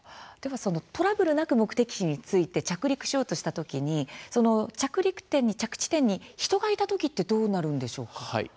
トラブルなく目的地に着いて着陸しようとした時に着陸地点に人がいた時ってどうなるんでしょうか。